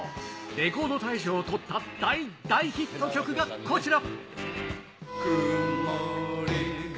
レコード大賞を取った大大ヒット曲がこちら。